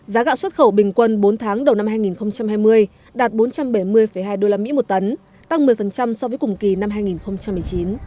gạo xuất khẩu bình quân đạt bốn trăm bảy mươi hai usd một tấn tăng một mươi so với cùng kỳ năm hai nghìn một mươi chín